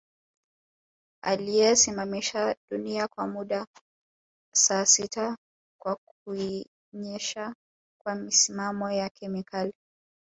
Aliyesimamisha dunia kwa muda saa sita kwa kuienyesha kwa misimamo yake mikali